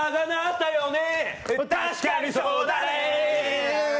たしかにそうだね。